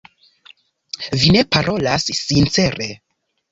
Vi ne parolas sincere.